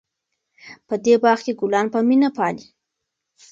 په دې باغ کې ګلان په مینه پالي.